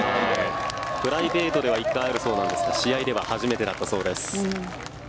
プライベートでは１回あるそうなんですが試合では初めてだったそうです。